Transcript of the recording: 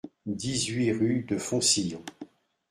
dix-huit rue de Foncillon